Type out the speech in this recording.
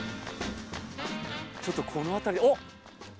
ちょっとこの辺りおっ！